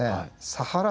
サハラ